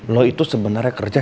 lo itu sebenarnya kerjaan